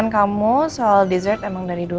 apa asal menapiskasi kita